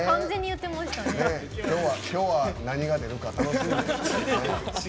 今日は、何が出るか楽しみです。